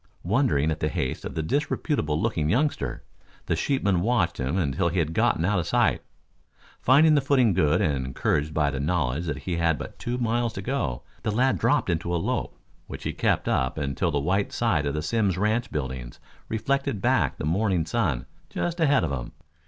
Wondering at the haste of the disreputable looking youngster, the sheepman watched him until he had gotten out of sight. Finding the footing good and encouraged by the knowledge that he had but two miles to go, the lad dropped into a lope which he kept up until the white side of the Simms ranch buildings reflected back the morning sun just ahead of him.